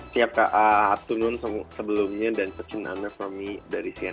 siap kak turun sebelumnya dan searching anda for me dari cnn